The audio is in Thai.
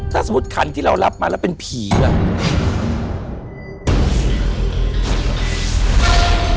ถ้าสมมุติขันที่เรารับมาแล้วเป็นผีอ่ะ